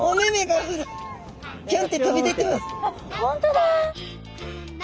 あっ本当だ！